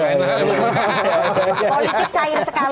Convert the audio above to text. politik cair sekali